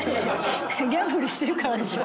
ギャンブルしてるからでしょ。